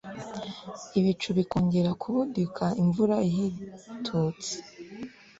ibicu bikongera kubudika imvura ihitutse